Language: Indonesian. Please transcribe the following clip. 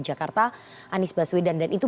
jakarta anies baswedan dan itu